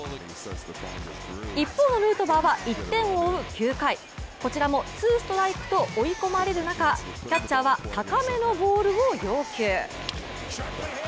一方のヌートバーは１点を追う９回、こちらもツーストライクと追い込まれる中、キャッチャーは高めのボールを要求。